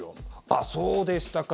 ああ、そうでしたか。